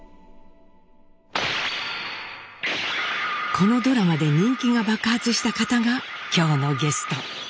このドラマで人気が爆発した方が今日のゲスト。